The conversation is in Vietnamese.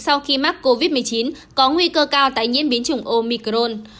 sau khi mắc covid một mươi chín có nguy cơ cao tại nhiễm biến chủng omicron